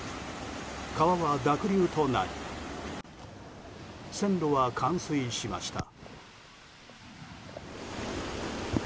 川は濁流となり線路は冠水しました。